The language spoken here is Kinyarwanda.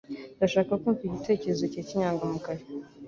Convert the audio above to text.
Ndashaka kumva igitekerezo cyawe kinyangamugayo